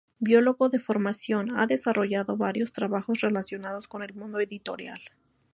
Biólogo de formación, ha desarrollado varios trabajos relacionados con el mundo editorial.